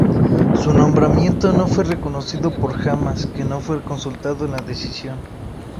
Su nombramiento no fue reconocido por Hamás, que no fue consultado en la decisión.